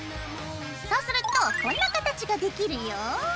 そうするとこんな形ができるよ。